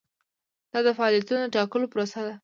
دا د فعالیتونو د ټاکلو پروسه ده.